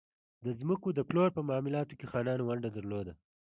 د ځمکو د پلور په معاملاتو کې خانانو ونډه درلوده.